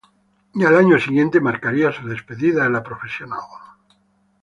Y al año siguiente marcaría su despedida de la Profesional.